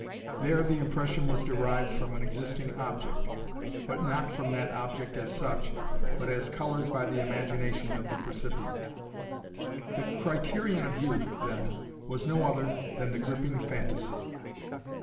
There the impression was derived from an existing object, but not from that object as such, but as coloured by the imagination of the percipient. The criterion of truth then was no other than the gripping phantasy.